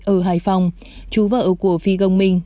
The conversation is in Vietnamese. ở hải phòng chú vợ của phi công minh